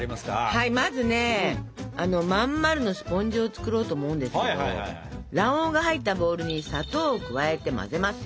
はいまずねまん丸のスポンジを作ろうと思うんですけど卵黄が入ったボウルに砂糖を加えて混ぜますよ。